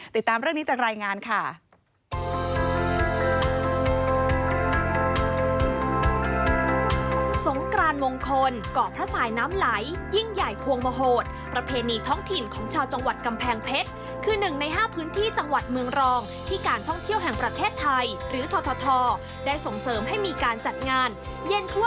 ติดตามเรื่องนี้จากรายงานค่ะ